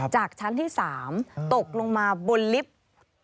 จากชั้นที่๓ตกลงมาบนลิฟต์